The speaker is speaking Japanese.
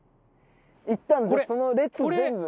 いったんその列全部。